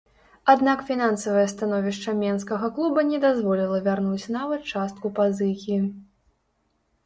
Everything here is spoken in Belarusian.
Аднак фінансавае становішча мінскага клуба не дазволіла вярнуць нават частку пазыкі.